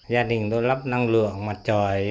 gia đình tôi lắp năng lượng mặt trời